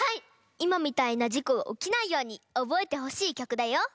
いまみたいなじこがおきないようにおぼえてほしいきょくだよ。